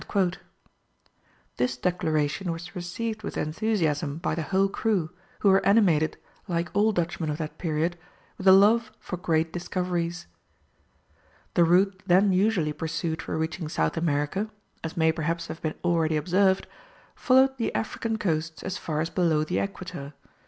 This declaration was received with enthusiasm by the whole crew, who were animated, like all Dutchmen of that period, with a love for great discoveries. The route then usually pursued for reaching South America as may perhaps have been already observed followed the African coasts as far as below the equator.